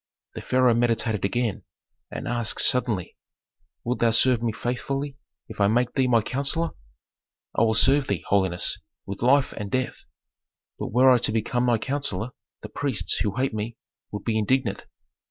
The pharaoh meditated again, and asked suddenly, "Wilt thou serve me faithfully if I make thee my counsellor?" "I will serve thee, holiness, with life and death. But were I to become thy counsellor, the priests, who hate me, would be indignant."